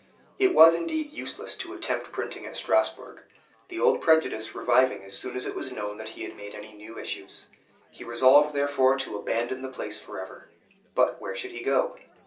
It was, indeed, useless to attempt printing at Strasbourg; the old prejudice reviving as soon as it was known that he had made any new issues. He resolved, therefore, to abandon the place forever. But where should he go?